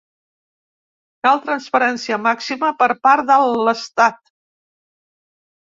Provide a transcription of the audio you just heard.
Cal transparència màxima per part de l’estat.